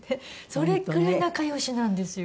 それくらい仲良しなんですよ。